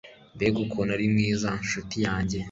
mbega ukuntu uri mwiza, ncuti yanjye